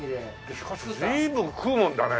しかし随分食うもんだね。